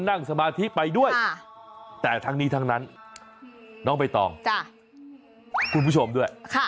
นั่งสมาธิไปด้วยแต่ทั้งนี้ทั้งนั้นน้องใบตองคุณผู้ชมด้วย